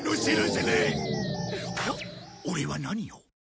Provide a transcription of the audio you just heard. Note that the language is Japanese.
オレは何を？